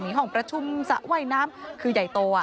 มีห้องประชุมสระว่ายน้ำคือใหญ่โต